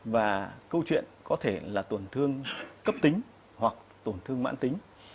và câu chuyện có thể là tổn thương cấp tính hoặc tổn thương mãn tính